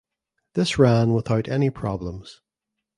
This ran without any problems.